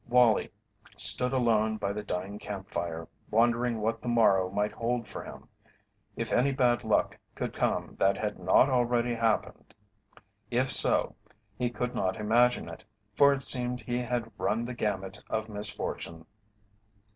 Wallie stood alone by the dying camp fire, wondering what the morrow might hold for him if any bad luck could come that had not already happened. If so, he could not imagine it, for it seemed he had run the gamut of misfortune.